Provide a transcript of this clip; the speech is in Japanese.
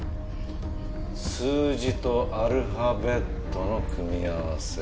数字とアルファベットの組み合わせ。